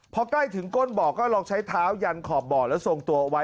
พอใกล้ถึงก้นเบาะก็ลองใช้เท้ายันขอบเบาะแล้วส่งตัวไว้